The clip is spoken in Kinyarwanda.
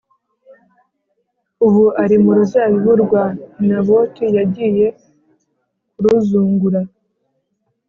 ubu ari mu ruzabibu rwa Naboti yagiye kuruzungura,